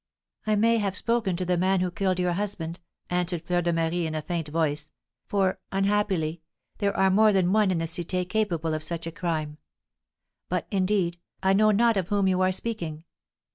"I may have spoken to the man who killed your husband," answered Fleur de Marie, in a faint voice; "for, unhappily, there are more than one in the Cité capable of such a crime. But, indeed, I know not of whom you are speaking!"